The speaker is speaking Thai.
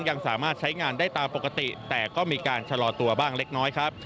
ยังสามารถใช้งานได้ตามปกติแต่ก็มีการชะลอตัวบ้างเล็กน้อยครับ